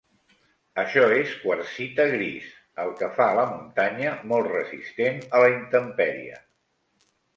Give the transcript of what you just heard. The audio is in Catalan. Això es quarsita gris, el que fa la muntanya molt resistent a la intempèrie.